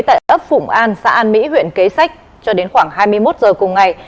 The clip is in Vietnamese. tại ấp phụng an xã an mỹ huyện kế sách cho đến khoảng hai mươi một h cùng ngày